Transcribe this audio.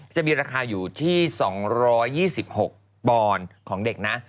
จะมีราคาอยู่ที่๒๒๖ปอนด์ของเด็กนะ